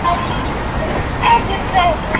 এই সুখ-দুঃখ অবস্থা মাত্র, এবং অবশ্যই পরিবর্তনশীল।